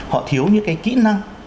họ thiếu những cái kỹ năng